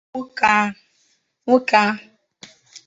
Nwoke a